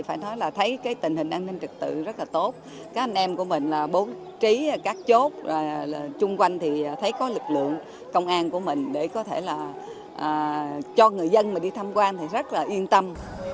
phải nói là thấy cái tình hình an ninh trật tự rất là tốt các anh em của mình là bố trí các chốt chung quanh thì thấy có lực lượng công an của mình để có thể là cho người dân mình đi tham quan thì rất là yên tâm